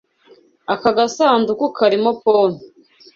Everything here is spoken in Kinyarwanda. Aka gasanduku karimo pome.